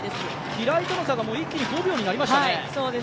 平井との差が一気に５秒になりましたね。